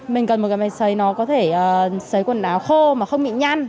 mình cần một cái máy xấy nó có thể xấy quần áo khô mà không bị nhăn